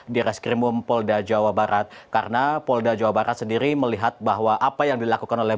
di reskrimum polda jawa barat karena polda jawa barat sendiri melihat bahwa apa yang dilakukan oleh